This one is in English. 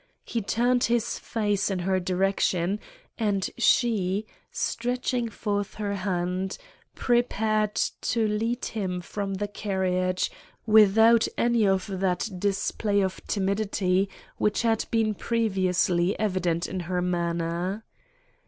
He turned his face in her direction, and she, stretching forth her hand, prepared to lead him from the carriage, without any of that display of timidity which had been previously evident in her manner.